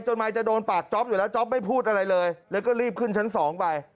มายจะโดนปากจ๊อปอยู่แล้วจ๊อปไม่พูดอะไรเลยแล้วก็รีบขึ้นชั้นสองไป